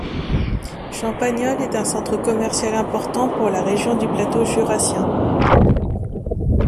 Champagnole est un centre commercial important pour la région du plateau jurassien.